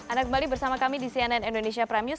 anda kembali bersama kami di cnn indonesia prime news